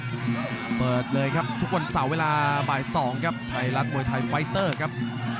เปิดเลยครับทุกวันเสาร์เวลาบ่าย๒ครับไทยรัฐมวยไทยไฟเตอร์ครับ